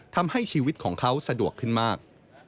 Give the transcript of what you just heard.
ทำให้ชีวิตของเขาสะดวกขึ้นมาก